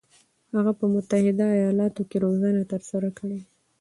هغه په متحده ایالاتو کې روزنه ترلاسه کړه.